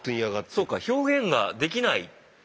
そうか表現ができない。